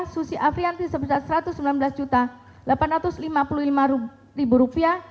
susi afrianti sebesar rp satu ratus sembilan belas delapan ratus lima puluh lima